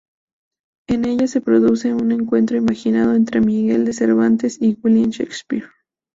En ella se produce un encuentro imaginado entre Miguel de Cervantes y William Shakespeare.